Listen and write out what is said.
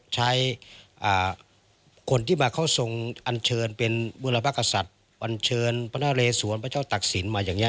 ใช้คนที่มาเข้าทรงอันเชิญเป็นบุรพกษัตริย์อันเชิญพระนาเลสวนพระเจ้าตักศิลป์มาอย่างนี้